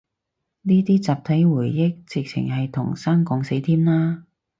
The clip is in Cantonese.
呢啲集體回憶，直程係同生共死添啦